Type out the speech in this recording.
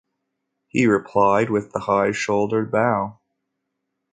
He replied with the high-shouldered bow.